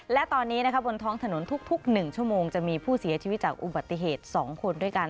และตอนนี้บนท้องถนนทุก๑ชั่วโมงจะมีผู้เสียชีวิตจากอุบัติเหตุ๒คนด้วยกัน